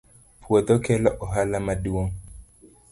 puodho kelo ohala ma duong